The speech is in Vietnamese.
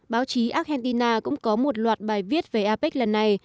báo chí argentina cũng có một loạt bài viết về apec lần này